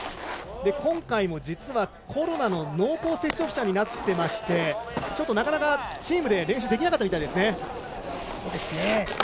今回も実はコロナの濃厚接触者になっていましてなかなかチームで練習ができなかったみたいですね。